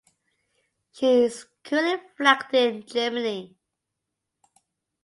She is currently flagged in Germany.